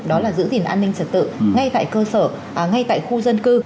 đó là giữ gìn an ninh trật tự ngay tại cơ sở ngay tại khu dân cư